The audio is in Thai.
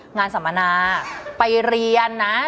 สัมมนาไปเรียนนะ